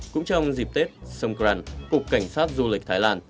cũng trong dịp tết sông cục cảnh sát du lịch thái lan